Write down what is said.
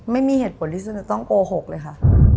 ไม่มีเหตุผลที่ฉันจะต้องโกหกเลยค่ะ